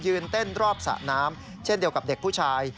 เต้นรอบสระน้ำเช่นเดียวกับเด็กผู้ชาย